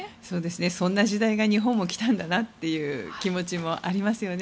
そんな時代が日本も来たんだなという気持ちもありますよね。